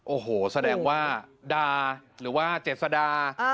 โอ้โหแสดงว่าดาหรือว่าเจษดา